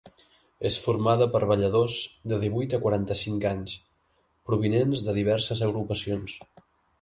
És formada per balladors de divuit a quaranta-cinc anys provinents de diverses agrupacions.